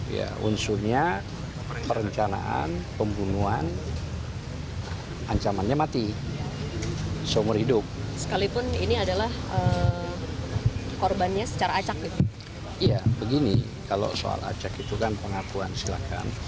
iya begini kalau soal acak itu kan pengakuan silahkan